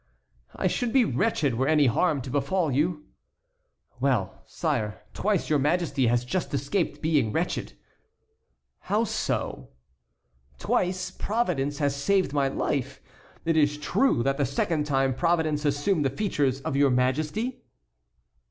"I should be wretched were any harm to befall you." "Well, sire, twice your Majesty has just escaped being wretched." "How so?" "Twice Providence has saved my life. It is true that the second time Providence assumed the features of your Majesty?"